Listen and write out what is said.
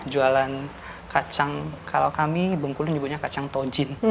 jualan kacang kalau kami bung kulin juga punya kacang tojin